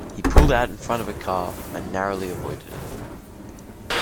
He pulled out in front of a car and narrowly avoided it.